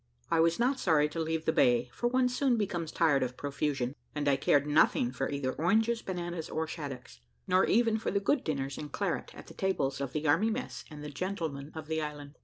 I was not sorry to leave the bay, for one soon becomes tired of profusion, and I cared nothing for either oranges, bananas, or shaddocks, nor even for the good dinners and claret at the tables of the army mess and gentlemen of the island.